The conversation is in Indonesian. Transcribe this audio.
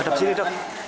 hidup sini dok